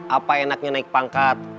apa enaknya naik pangkat